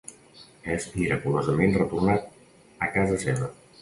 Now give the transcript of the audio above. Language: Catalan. És miraculosament retornat a casa seva.